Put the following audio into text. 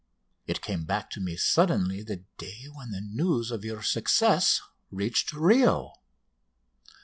It came back to me suddenly the day when the news of your success reached Rio.